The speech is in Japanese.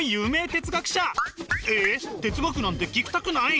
哲学なんて聞きたくない？